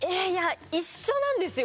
一緒なんですよ